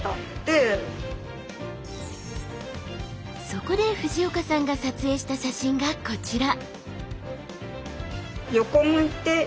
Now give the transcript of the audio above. そこで藤岡さんが撮影した写真がこちら。